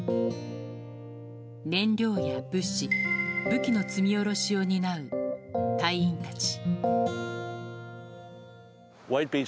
燃料や物資武器の積み下ろしを担う隊員たち。